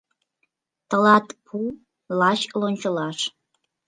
— Тылат пу лач лончылаш